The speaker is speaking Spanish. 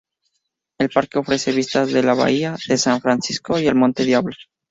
El parque ofrece vistas de la Bahía de San Francisco y al Monte Diablo.